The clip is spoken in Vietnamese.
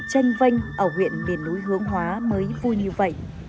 tranh vanh ở huyện miền núi hướng hóa mới vui như vậy